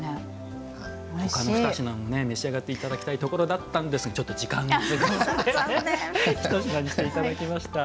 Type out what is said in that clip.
ほかの二品もお召し上がりいただきたいところだったんですがちょっと時間の都合でひと品にしていただきました。